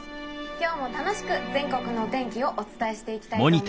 「今日も楽しく全国のお天気をお伝えしていきたいと思います。